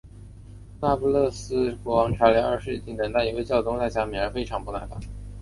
那不勒斯国王查理二世已经等待一位教宗为他加冕而非常不耐烦。